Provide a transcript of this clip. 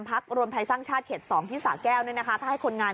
พักรวมไทยสร้างชาติเข็ดสองที่สะแก้วด้วยนะคะให้คนงาน